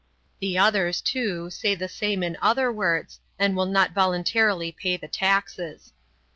The others, too, say the same in other words, and will not voluntarily pay the taxes.